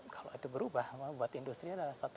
kalau itu berubah buat industri